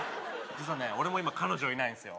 実はね俺も今彼女いないんですよ